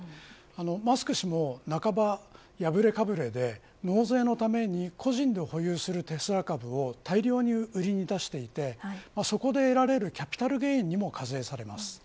マスク氏も半ば破れかぶれで納税のために個人で保有するテスラ株を大量に売りに出していてそこで得られるキャピタルゲインにも課税されます。